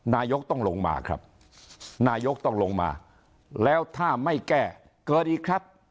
นายกต้องลงมาครับนายกต้องลงมาแล้วถ้าไม่แก้เกิดอีกครับ